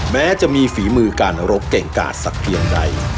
แม้จะมีฝีมือการรบเก่งกาดสักเพียงใด